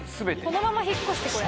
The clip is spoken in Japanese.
このまま引っ越してこれる。